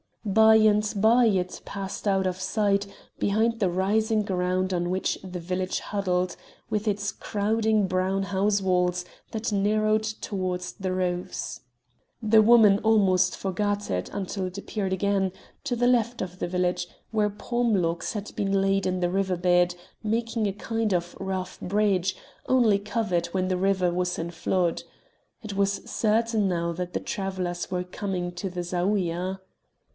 By and by it passed out of sight, behind the rising ground on which the village huddled, with its crowding brown house walls that narrowed towards the roofs. The woman almost forgot it, until it appeared again, to the left of the village, where palm logs had been laid in the river bed, making a kind of rough bridge, only covered when the river was in flood. It was certain now that the travellers were coming to the Zaouïa.